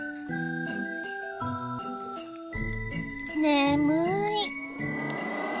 眠い。